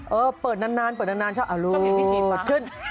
เออเปิดนานชอบอรูท